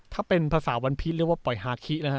ถ้าเป็นภาษาวันพีชเรียกว่าปล่อยฮาคินะฮะ